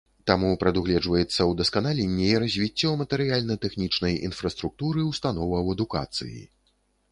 Таму прадугледжваецца ўдасканаленне і развіццё матэрыяльна-тэхнічнай інфраструктуры ўстановаў адукацыі.